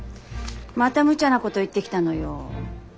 またむちゃなこと言ってきたのよ。